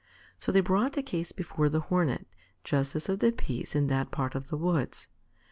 So they brought the case before the Hornet, justice of the peace in that part of the woods.